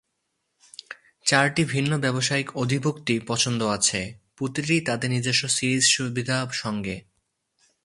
চারটি ভিন্ন ব্যবসায়িক অধিভুক্তি পছন্দ আছে, প্রতিটি তাদের নিজস্ব সিরিজ সুবিধা সঙ্গে।